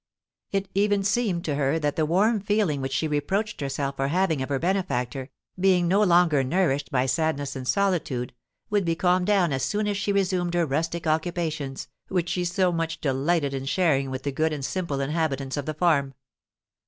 It even seemed to her that the warm feeling which she reproached herself for having of her benefactor, being no longer nourished by sadness and solitude, would be calmed down as soon as she resumed her rustic occupations, which she so much delighted in sharing with the good and simple inhabitants of the farm.